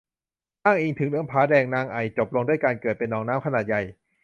อ้างอิงถึงเรื่องผาแดงนางไอ่จบลงด้วยการเกิดเป็นหนองน้ำขนาดใหญ่